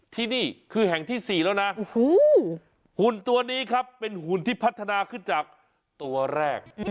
ที่นี่คือแห่งที่๔แล้วนะหุ่นตัวนี้ครับเป็นหุ่นที่พัฒนาขึ้นจากตัวแรก